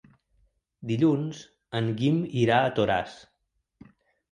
Dilluns en Guim irà a Toràs.